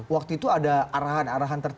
waktu itu ada arahan arahan tertentu